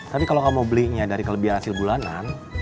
tapi kalau kamu belinya dari kelebihan hasil bulanan